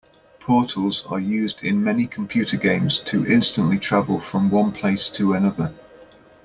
Portals are used in many computer games to instantly travel from one place to another.